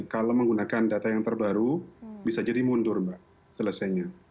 kalau menggunakan data yang terbaru bisa jadi mundur mbak selesainya